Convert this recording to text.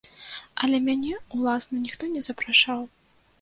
Але мяне, уласна, ніхто не запрашаў.